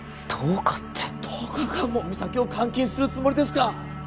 １０日って１０日間も実咲を監禁するつもりですか？